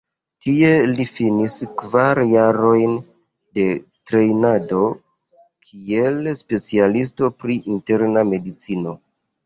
Tie li finis kvar jarojn da trejnado kiel specialisto pri interna medicino.